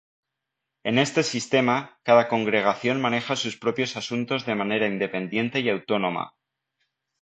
En este sistema, cada congregación maneja sus propios asuntos de manera independiente y autónoma.